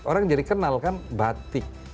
orang jadi kenalkan batik